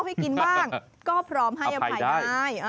ให้กินบ้างก็พร้อมให้อภัยได้